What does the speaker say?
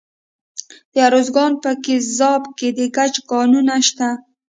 د ارزګان په ګیزاب کې د ګچ کانونه دي.